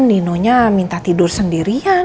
ninonya minta tidur sendirian